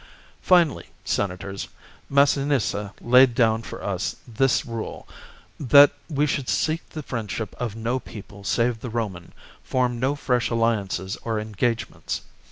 " Finally, Senators, Massinissa laid down for us this rule, that we should seek the friendship of no people save the Roman, form no fresh alliances or engage ments.